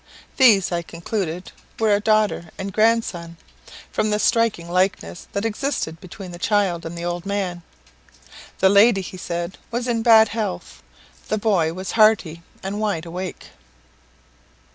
These I concluded were his daughter and grandson, from the striking likeness that existed between the child and the old man. The lady, he said, was in bad health the boy was hearty and wide awake.